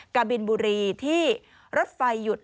กะบินบุรีที่รถไฟหยุด